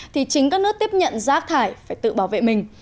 thì chính các nước tiếp nhận rác thải phải tự bảo vệ mình